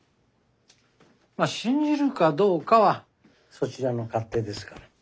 まっ信じるかどうかはそちらの勝手ですから。